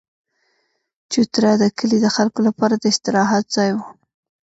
چوتره د کلي د خلکو لپاره د استراحت ځای وو.